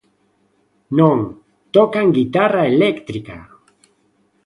Non, tocan guitarra eléctrica!